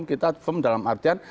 kita firm dalam artian